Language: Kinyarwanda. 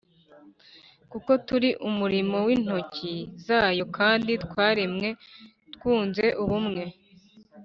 kuko turi umurimo w’ intoki zayo kandi twaremwe twunze ubumwe